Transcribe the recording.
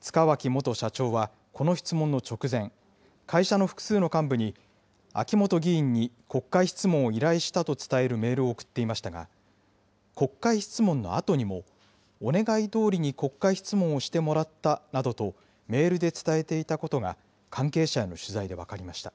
塚脇元社長はこの質問の直前、会社の複数の幹部に、秋本議員に国会質問を依頼したと伝えたとメールを送っていましたが、国会質問のあとにも、お願いどおりに国会質問をしてもらったなどと、メールで伝えていたことが、関係者への取材で分かりました。